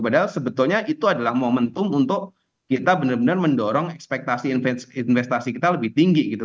padahal sebetulnya itu adalah momentum untuk kita benar benar mendorong ekspektasi investasi kita lebih tinggi gitu